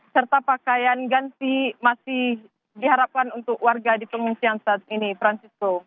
serta pakaian ganti masih diharapkan untuk warga di pengungsian saat ini francisco